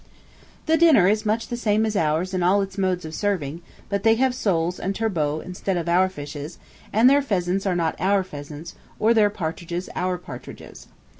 The dinner is much the same as ours in all its modes of serving, but they have soles and turbot, instead of our fishes, and their pheasants are not our pheasants, or their partridges our partridges.